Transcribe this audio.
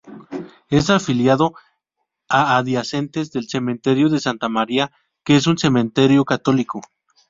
Es afiliado a adyacentes del cementerio de Santa María, que es un cementerio católico.